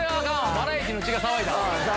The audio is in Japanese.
バラエティーの血が騒いだわ。